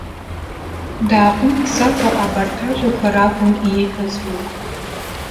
Дааҟәымҵӡакәа абарҭ ажәақәа ракәын ииҳәоз уи.